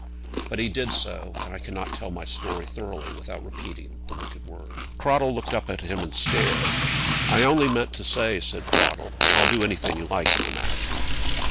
But he did do so, and I cannot tell my story thoroughly without repeating the wicked word. Cradell looked up at him and stared. "I only meant to say," said Cradell, "I'll do anything you like in the matter."